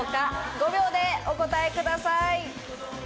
５秒でお答えください。